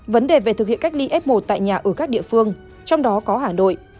vấn đề về thực hiện cách ly f một tại nhà ở các địa phương trong đó có hà nội